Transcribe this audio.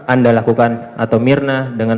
anda lakukan atau mirna dengan